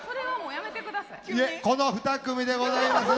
いえこの２組でございます。